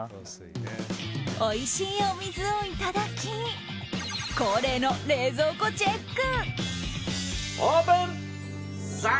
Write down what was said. おいしいお水をいただき恒例の冷蔵庫チェック。